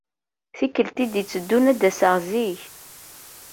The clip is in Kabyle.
Tikelt i d-iteddun ad d-aseɣ zik.